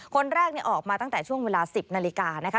คนแรกออกมาตั้งแต่ช่วงเวลา๑๐นาฬิกานะคะ